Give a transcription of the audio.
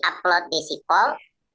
kita sudah upload di sikol